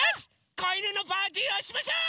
こいぬのパーティーをしましょう！